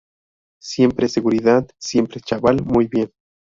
siempre, seguridad, siempre. chaval, muy bien.